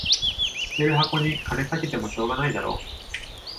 捨てる箱に金かけてもしょうがないだろ